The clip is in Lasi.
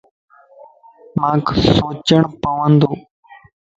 مانک سوچڻ پوندو